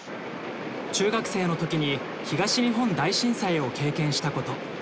中学生の時に東日本大震災を経験したこと。